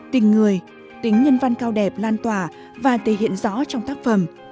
tình người tính nhân văn cao đẹp lan tỏa và thể hiện rõ trong tác phẩm